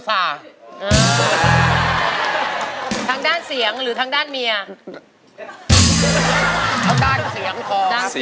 โอ้โห